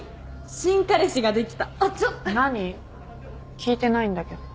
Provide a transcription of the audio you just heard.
聞いてないんだけど。